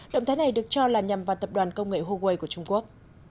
động thái này được cho là nhằm vào tập đoàn công nghệ huawei của trung quốc